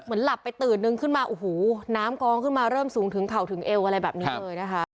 หลับไปตื่นนึงขึ้นมาโอ้โหน้ำกองขึ้นมาเริ่มสูงถึงเข่าถึงเอวอะไรแบบนี้เลยนะคะ